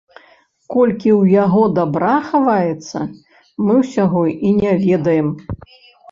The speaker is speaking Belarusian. Колькі ў яго дабра хаваецца, мы ўсяго і не ведаем.